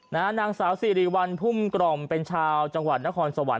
นางสาวสิริวัลพุ่มกล่อมเป็นชาวจังหวัดนครสวรรค